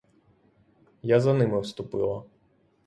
Я за ними вступила.